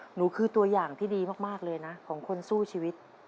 หนูคือตัวอย่างที่ดีมากเลยนะของคนสู้ชีวิต